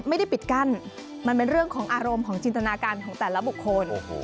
ไม่ได้ปิดกั้นมันเป็นเรื่องของอารมณ์ของจินตนาการของแต่ละบุคคล